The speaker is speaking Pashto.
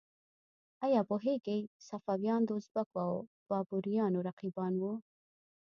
ایا پوهیږئ صفویان د ازبکو او بابریانو رقیبان وو؟